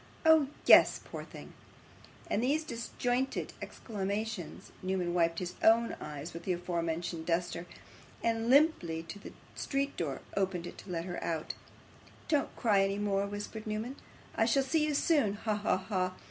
Oh, yes. Poor thing!' With these disjointed exclamations, Newman wiped his own eyes with the afore mentioned duster, and, limping to the street door, opened it to let her out. 'Don't cry any more,' whispered Newman. 'I shall see you soon. Ha! ha! ha!